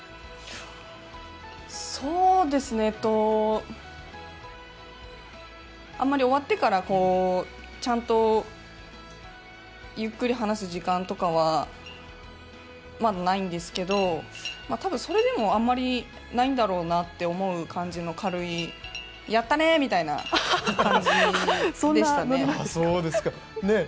そうですねえっとあまり終わってから、ちゃんとゆっくり話す時間とかはないんですけど、多分、それでもあまりないんだなという感じの、軽い、「やったね」みたいな感じでしたね。